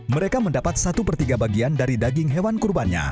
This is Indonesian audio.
mereka mendapat satu per tiga bagian dari daging hewan kurbannya